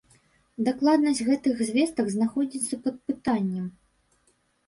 Дакладнасць гэтых звестак знаходзіцца пад пытаннем.